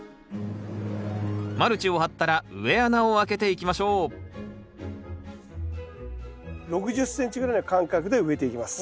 マルチを張ったら植え穴をあけていきましょう６０ｃｍぐらいの間隔で植えていきます。